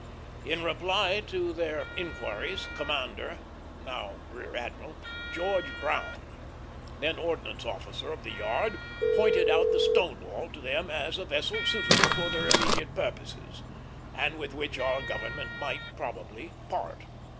In reply to their inquiries, Commander now Rear Admiral George Brown, then ordnance officer of the yard, pointed out the Stonewall to them as a vessel suitable for their immediate purposes, and with which our government might probably part.